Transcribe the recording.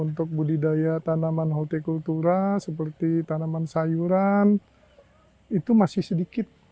untuk budidaya tanaman hotekultura seperti tanaman sayuran itu masih sedikit